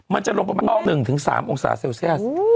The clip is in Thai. มันจะลงประมาณ๑๓องศาเซลเซียส